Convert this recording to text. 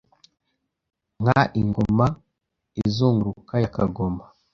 nka ingoma izunguruka ya kagoma